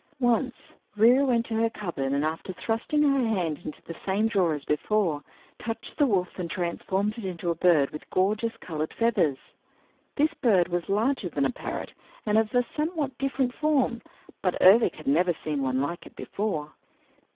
Once Reera went to her cupboard and after thrusting her hand into the same drawer as before, touched the wolf and transformed it into a bird with gorgeous colored feathers. This bird was larger than a parrot and of a somewhat different form, but Ervic had never seen one like it before.